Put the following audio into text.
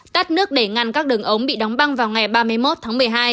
tắt nước để ngăn các đường ống bị đóng băng vào ngày ba mươi một tháng một mươi hai